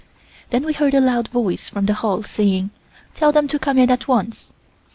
Then we heard a loud voice from the hall saying, "Tell them to come in at once."